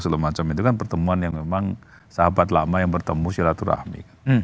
dan sebagainya itu kan pertemuan yang memang sahabat lama yang bertemu syirah turahmi